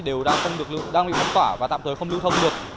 đều đang bị bấm tỏa và tạm thời không lưu thông được